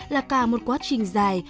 là cả một quá trình dài